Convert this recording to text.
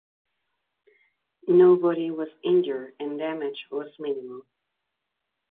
Nobody was injured and damage was minimal.